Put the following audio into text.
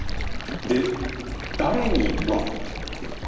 で「誰に」は？